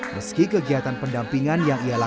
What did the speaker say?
meski kegiatan pendampingan yang akan diperlukan